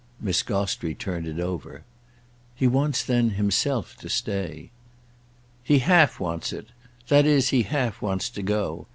Miss Gostrey turned it over. "He wants then himself to stay." "He half wants it. That is he half wants to go.